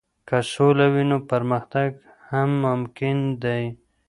که سوله وي، نو پرمختګ هم ممکن دی.